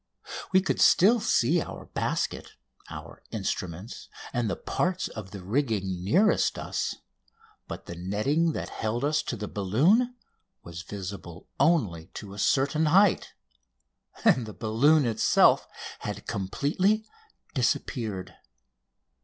We could still see our basket, our instruments, and the parts of the rigging nearest us, but the netting that held us to the balloon was visible only to a certain height, and the balloon itself had completely disappeared.